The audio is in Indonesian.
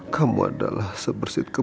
kamu memang elok beginner